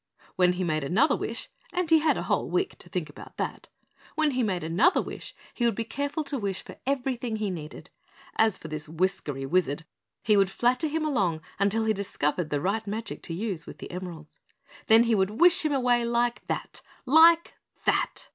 When he made another wish and he had a whole week to think about that when he made another wish he would be careful to wish for everything he needed. As for this whiskery wizard he would flatter him along until he discovered the right magic to use with the emeralds. Then he would wish him away like that. Like THAT!